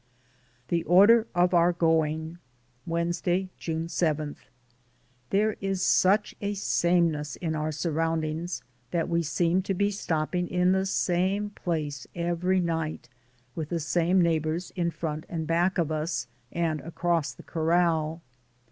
THE ORDER OE OUR GOING. Wednesday, June 7. There is such a sameness in our surround ings that we seem to be stopping in the same place every night, with the same neighbors in front and back of us, and across the cor ral.